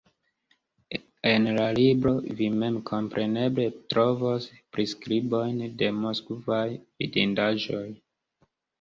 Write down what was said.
En la libro vi memkompreneble trovos priskribojn de moskvaj vidindaĵoj.